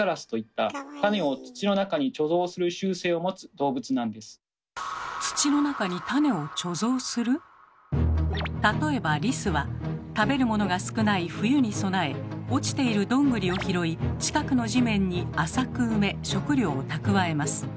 そこで登場するのが例えばリスは食べるものが少ない冬に備え落ちているどんぐりを拾い近くの地面に浅く埋め食料を蓄えます。